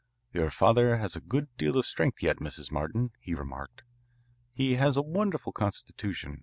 "Your father has a good deal of strength yet, Mrs. Martin," he remarked. "He has a wonderful constitution.